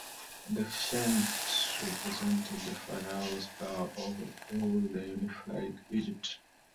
The Pschent represented the pharaoh's power over all of unified Egypt.